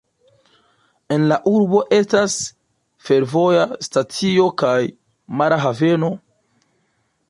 En la urbo estas fervoja stacio kaj mara haveno.